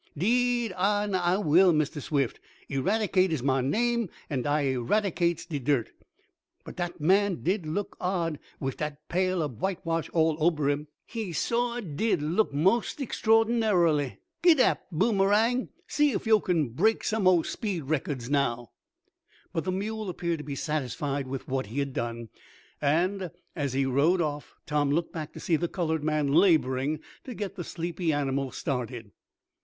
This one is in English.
"Deed an' I will, Mistah Swift. Eradicate is mah name, an' I eradicates de dirt. But dat man such did look odd, wif dat pail ob whitewash all ober him. He suah did look most extraordinarily. Gidap, Boomerang. See if yo' can break some mo' speed records now." But the mule appeared to be satisfied with what he had done, and, as he rode off, Tom looked back to see the colored man laboring to get the sleepy, animal started.